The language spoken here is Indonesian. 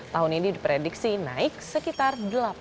tahun ini diprediksi naik sekitar